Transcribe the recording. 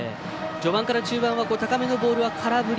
序盤から中盤は高めのボールは空振り。